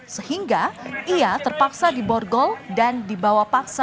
sehingga ia terpaksa diborgol dan dibawa paksa